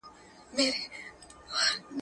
مور یې د چایو پیاله په ارامه پر غولي کېښوده.